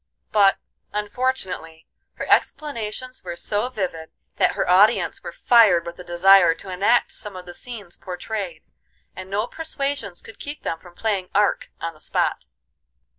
But, unfortunately, her explanations were so vivid that her audience were fired with a desire to enact some of the scenes portrayed, and no persuasions could keep them from playing Ark on the spot.